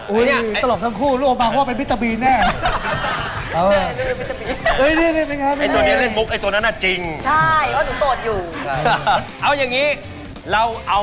อุ๊ยตลกทั้งคู่รู้ออกมาว่าเป็นวิตามีแน่